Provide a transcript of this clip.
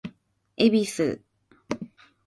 恵比寿